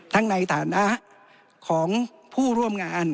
ในฐานะของผู้ร่วมงาน